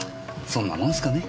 そんなもんすかね。